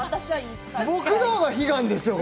僕の方が悲願ですよ！